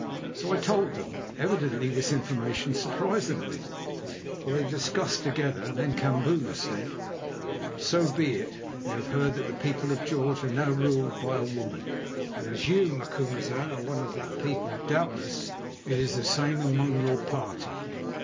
So I told them. Evidently this information surprised them a little, for they discussed together. Then Kambula said: "So be it. We have heard that the people of George are now ruled by a woman, and as you, Macumazahn, are one of that people, doubtless it is the same among your party."